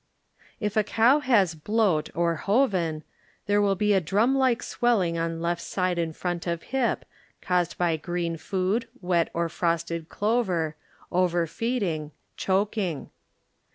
If a cow has Bloat or Hoven there will be a drum like swelling on left side in front of hip, caused by green food, wet or frosted clover, overfeeding, chok ing.